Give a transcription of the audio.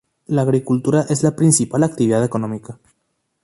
La agricultura es la principal actividad económica.